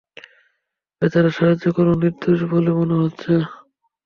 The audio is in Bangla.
বেচারার সাহায্য করুন, নির্দোষ বলে মনে হচ্ছে।